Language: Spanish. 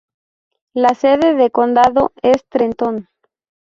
La sede de condado es Trenton.